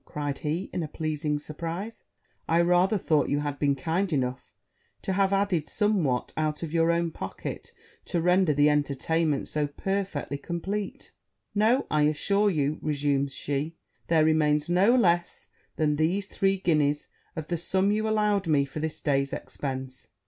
cried he, in a pleasing surprize: 'I rather thought you had been kind enough to have added somewhat out of your own pocket, to render the entertainment so perfectly compleat.' 'No, I assure you,' resumed she; 'there remains no less than these three guineas of the sum you allowed me for this day's expence.'